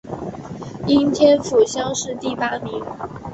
应天府乡试第八名。